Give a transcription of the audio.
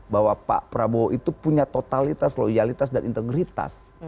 bahwa pak prabowo itu punya totalitas loyalitas dan integritas